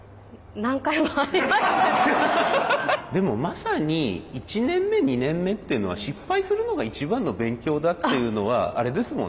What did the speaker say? でもまさに１年目２年目っていうのは失敗するのが一番の勉強だっていうのはあれですもんね。